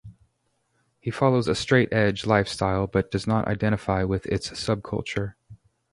He follows a straight edge lifestyle but does not identify with its subculture.